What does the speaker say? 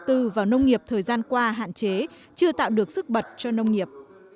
từ vào nông nghiệp thời gian qua hạn chế chưa tạo được sức bật cho nông nghiệp